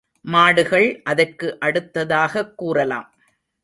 மாடுகள் அதற்கு அடுத்ததாகக் கூறலாம்.